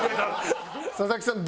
佐々木さん